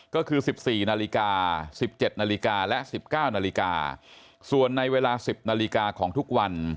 ก็คือ๑๔นาฬิกา๑๗นาฬิกาและ๑๙นาฬิกาส่วนในเวลา๑๐นาฬิกาของทุกวัน